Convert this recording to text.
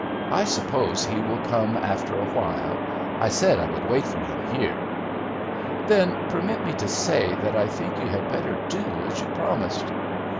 I suppose he will come after a while. I said I would wait for him here." "Then permit me to say that I think you had better do as you promised."